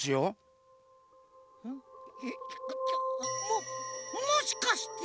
ももしかして。